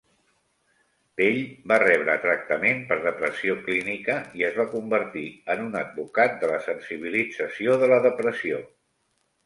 Pell va rebre tractament per depressió clínica i es va convertir en un advocat de la sensibilització de la depressió.